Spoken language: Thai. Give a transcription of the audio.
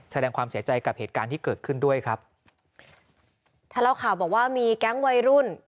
แสดงความเสียใจกับเหตุการณ์ที่เกิดขึ้นด้วยครับถ้าเล่าข่าวบอกว่ามีแก๊งวัยรุ่น